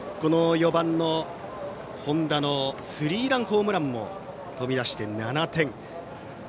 ４番の本田のスリーランホームランも飛び出して、７点。